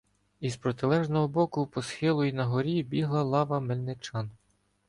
Із протилежного боку по схилу й на горі бігла лава мельничан.